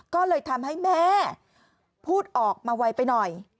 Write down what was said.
ก็เลยทำให้แม่พูดออกมาไวไปหน่อย